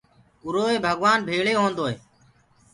اُروئي ڀگوآن ڀيݪي هوندوئي